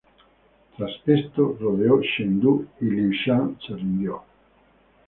Tras esto rodeó Chengdu y Liu Shan se rindió.